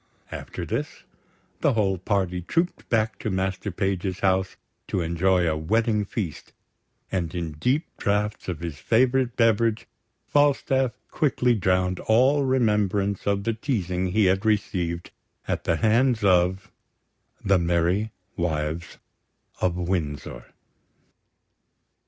After this, the whole party trooped back to Master Page's house, to enjoy a wedding feast; and in deep draughts of his favourite beverage, Falstaff quickly drowned all remembrance of the teasing he had received at the hands of the Merry Wives of Windsor.